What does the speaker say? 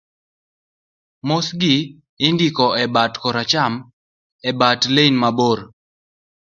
mosgi indiko e bat koracham ebut lain mabor